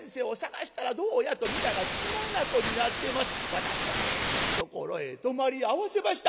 私はええところへ泊まり合わせました。